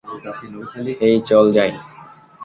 এই চল যাই!